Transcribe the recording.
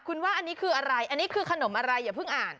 คุณว่าอันนี้คืออะไรอันนี้คือขนมอะไรอย่าเพิ่งอ่าน